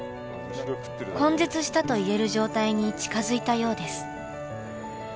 根絶したと言える状態に近づいたようです。